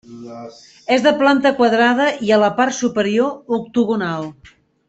És de planta quadrada i a la part superior, octogonal.